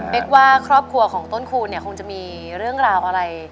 กว่าครอบครัวของต้นคูณเนี่ยคงจะมีเรื่องราวอะไร